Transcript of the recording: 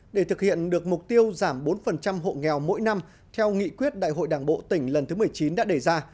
để thực hiện được mục tiêu giảm bốn hộ nghèo mỗi năm theo nghị quyết đại hội đảng bộ tỉnh lần thứ một mươi chín đã đề ra